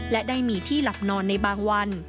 และได้มีที่หลับนอนในบางวัน